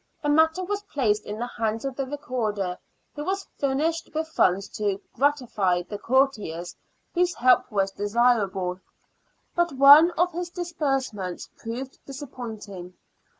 The matter was placed in the hands of the Recorder, who was furnished with funds to " gratify " the courtiers whose help was desirable ; but one of his disbursements proved dis appointing.